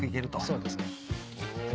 そうですね。